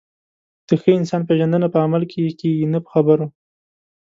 د ښه انسان پیژندنه په عمل کې کېږي، نه په خبرو.